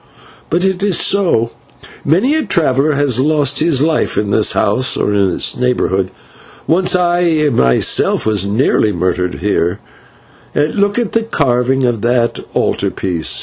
"But so it was. Many a traveller has lost his life in this house or its neighbourhood. I, myself, was nearly murdered here once. Look at the carving of that altar piece.